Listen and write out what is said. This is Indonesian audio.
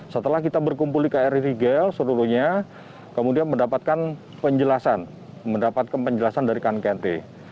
setelah kita berkumpul di kri rigel seluruhnya kemudian mendapatkan penjelasan mendapatkan penjelasan dari knkt